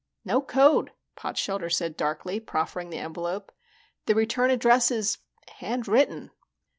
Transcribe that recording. "No code," Potshelter said darkly, proferring the envelope. "The return address is hand written."